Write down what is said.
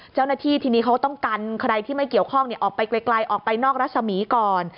เจ้าหน้าที่ทีนี้เขาต้องกันใครที่ไม่เกี่ยวข้องออกไปไกลออกไปนอกรัศมีก่อน